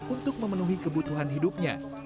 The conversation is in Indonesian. untuk memenuhi kebutuhan hidupnya